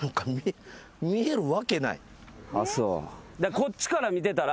こっちから見てたら。